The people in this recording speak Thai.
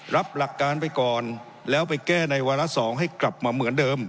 รับหลักการไปก่อนแล้วไปแก้ในวาระ๒ให้กลับมาเหมือนเดิม